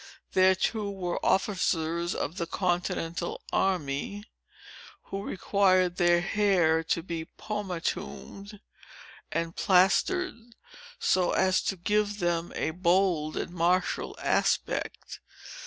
There too, were officers of the continental army, who required their hair to be pomatumed and plastered, so as to give them a bold and martial aspect.